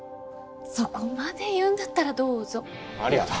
そこまで言うんだったらどうぞありがと